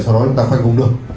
sau đó chúng ta khoanh vùng đường